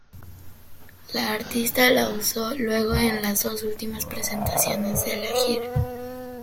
La artista la usó luego en las dos últimas presentaciones de la gira.